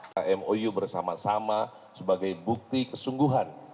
kmou bersama sama sebagai bukti kesungguhan